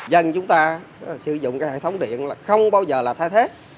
dân chúng ta sử dụng cái hệ thống điện là không bao giờ là thay thế